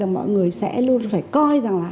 mọi người sẽ luôn phải coi